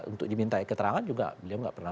untuk diminta keterangan juga beliau nggak pernah